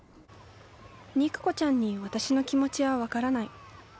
肉子ちゃんに私の気持ちは分からない。